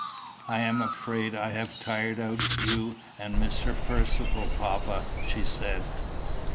"I am afraid I have tired out you and Mr. Percivale, papa," she said.